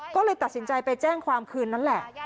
ก็เลยตัดสินใจไปแจ้งความคืนนั้นแหละ